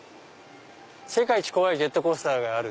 世界一怖いジェットコースターがある。